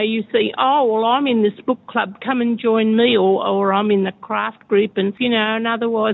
itu adalah sesuatu yang juga bisa dijamin oleh fran